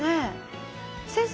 先生